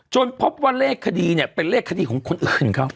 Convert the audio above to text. พบว่าเลขคดีเนี่ยเป็นเลขคดีของคนอื่นเขา